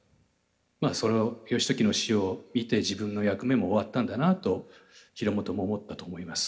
まあそれを義時の死を見て自分の役目も終わったんだなと広元も思ったと思います。